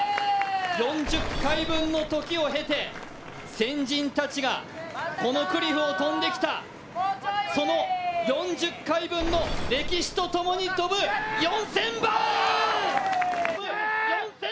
４０回分の時を経て、先人たちがこのクリフを跳んできた、その４０回分の歴史とともに跳ぶ４０００番！